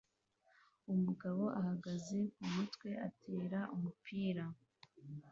Umugabo ahagaze kumutwe atera umupira